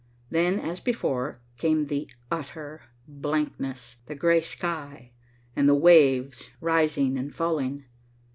Then, as before, came the utter blankness, the gray sky and the waves rising and falling.